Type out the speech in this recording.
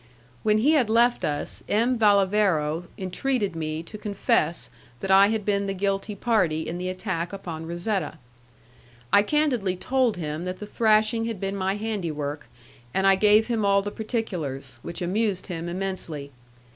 When he had left us M. Valavero entreated me to confess that I had been the guilty party in the attack upon Razetta. I candidly told him that the thrashing had been my handiwork, and I gave him all the particulars, which amused him immensely.